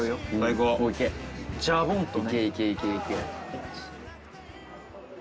ジャボン！とね。